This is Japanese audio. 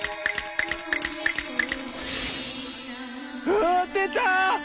うわ出た！